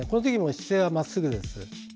姿勢はまっすぐです。